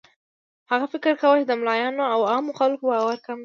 هغه فکر کاوه چې د ملایانو او عامو خلکو باور کم دی.